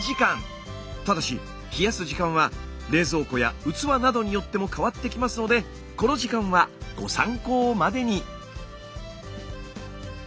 ただし冷やす時間は冷蔵庫や器などによっても変わってきますのでこの時間はご参考までに。